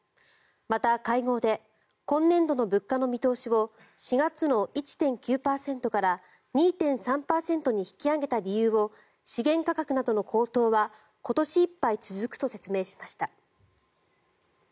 また、会合で今年度の物価の見通しを４月の１．９％から２．３％に引き上げた理由を資源価格などの高騰は今年いっぱい続くと説明しました。